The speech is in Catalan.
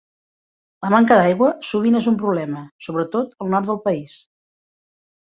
La manca d'aigua sovint és un problema, sobretot al nord del país.